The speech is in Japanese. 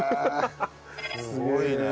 すごいね。